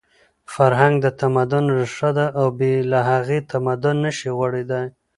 فرهنګ د تمدن ریښه ده او بې له هغې تمدن نشي غوړېدی.